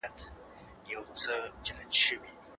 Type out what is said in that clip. له تشناب وروسته لاسونه باید پریمنځل شي.